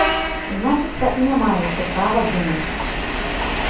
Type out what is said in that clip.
Значыцца, і не маеце права думаць.